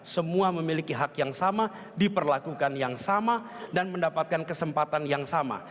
semua memiliki hak yang sama diperlakukan yang sama dan mendapatkan kesempatan yang sama